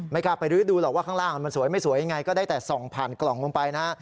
กล้าไปรื้อดูหรอกว่าข้างล่างมันสวยไม่สวยยังไงก็ได้แต่ส่องผ่านกล่องลงไปนะฮะ